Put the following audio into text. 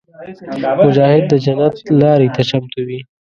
مجاهد د جنت لارې ته چمتو وي.